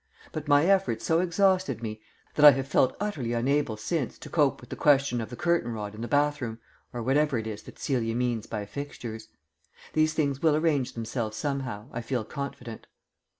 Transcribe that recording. But my effort so exhausted me that I have felt utterly unable since to cope with the question of the curtain rod in the bathroom or whatever it is that Celia means by fixtures. These things will arrange themselves somehow, I feel confident.